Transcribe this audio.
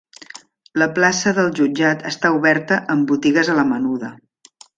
La plaça del jutjat està oberta amb botigues a la menuda.